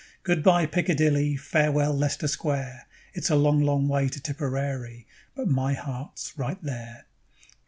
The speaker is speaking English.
Good bye, Piccadilly, Farewell, Lester Square: It's a long, long way to Tipperary, But my heart's right there.